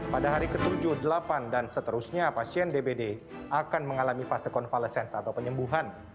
pada hari ke tujuh delapan dan seterusnya pasien dbd akan mengalami fase convalesen atau penyembuhan